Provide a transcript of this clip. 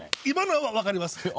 今のは分かります。